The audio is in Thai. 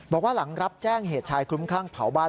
บอกว่าหลังรับแจ้งเหตุชายคลุ้มคลั่งเผาบ้าน